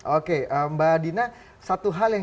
oke mbak dina satu hal yang